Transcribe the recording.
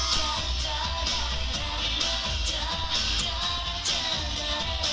หญิงนั้นเค้าจะเคยรู้